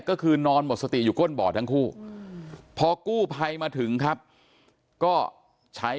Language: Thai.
ก็คือนอนหมดสติอยู่ก้นบ่อทั้งคู่พอกู้ภัยมาถึงครับก็ใช้